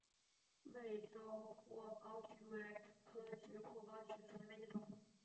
美洲阔苞菊为菊科阔苞菊属下的一个种。